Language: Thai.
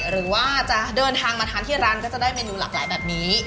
หรือว่าจะเดินทางมาทานที่ร้านก็จะได้เมนูหลากหลายแบบนี้